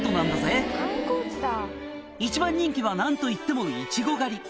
「一番人気は何といってもいちご狩り」